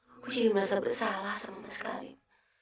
aku sendiri merasa bersalah sama mas karim